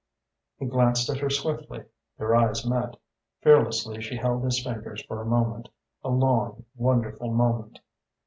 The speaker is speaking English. He glanced at her swiftly. Their eyes met. Fearlessly she held his fingers for a moment, a long, wonderful moment.